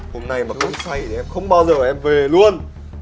hôm nay mà không say thì em không bao giờ em về luôn